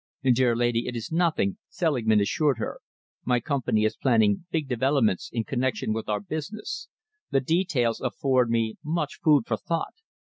"Dear lady, it is nothing," Selingman assured her. "My company is planning big developments in connection with our business. The details afford me much food for thought.